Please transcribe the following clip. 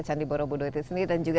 candi borobudur itu sendiri dan juga